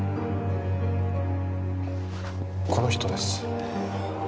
この人です。